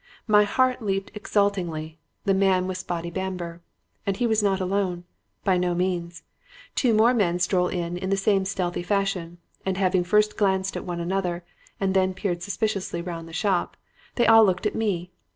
My heart leaped exultingly. The man was Spotty Bamber. "And he was not alone. By no means. Two more men stole in in the same stealthy fashion, and, having first glanced at one another and then peered suspiciously round the shop, they all looked at me.